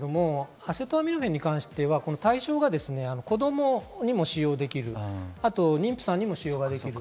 アセトアミノフェンに関しては対象が子供にも使用できる、あと妊婦さんにも使用できる。